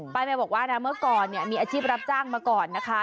แมวบอกว่านะเมื่อก่อนเนี่ยมีอาชีพรับจ้างมาก่อนนะคะ